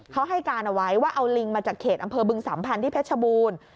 เขาให้การเอาไว้ว่าเอาลิงมาจากเขตอำเภอบึงสัมพันธ์ที่เพชรบูรณ์